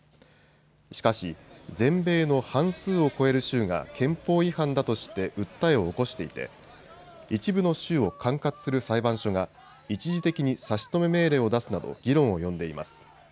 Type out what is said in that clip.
しかし全米の半数を超える州が憲法違反だとして訴えを起こしていて一部の州を管轄する裁判所が一時的に差し止め命令を出すなど議論を呼んでいます。